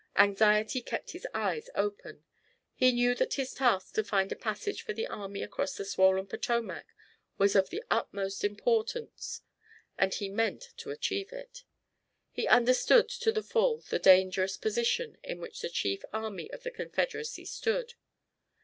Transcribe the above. Anxiety kept his eyes open. He knew that his task to find a passage for the army across the swollen Potomac was of the utmost importance and he meant to achieve it. He understood to the full the dangerous position in which the chief army of the Confederacy stood.